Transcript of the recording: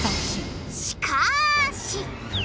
しかし！